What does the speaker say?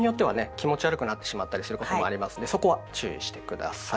気持ち悪くなってしまったりすることもありますのでそこは注意して下さい。